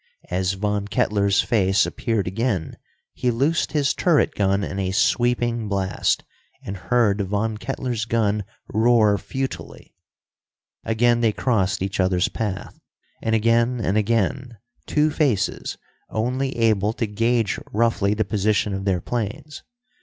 As Von Kettler's face appeared again, he loosed his turret gun in a sweeping blast, and heard Von Kettler's gun roar futilely. Again they crossed each other's path, and again and again, two faces, only able to gauge roughly the position of their planes.